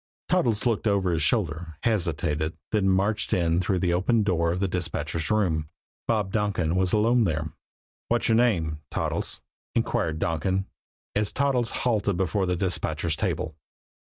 Toddles looked over his shoulder, hesitated, then marched in through the open door of the dispatchers' room. Bob Donkin was alone there. "What's your name Toddles?" inquired Donkin, as Toddles halted before the dispatcher's table.